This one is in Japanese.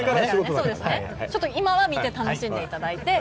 今は見て楽しんでいただいて。